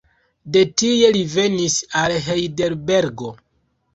De tie li venis al Hejdelbergo.